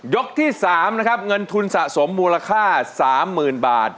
ที่๓นะครับเงินทุนสะสมมูลค่า๓๐๐๐บาท